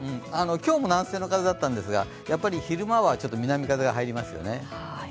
今日も南西の風だったんですが、昼間は南風が入りますよね。